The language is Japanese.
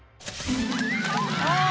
ああ！